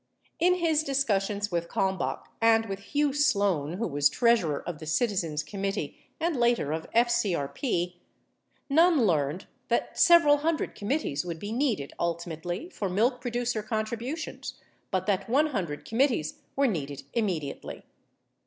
15 In his discussions with Kalmbach and with Hugh Sloan, who was treasurer of the Citizens Committee (and later of FCRP), Nunn learned that several hundred committees would be needed ultimately for milk producer contributions but that 100 committees were needed immediately.